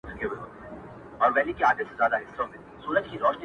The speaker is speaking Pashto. o د خره محبت يا گوز دئ، يا لغته.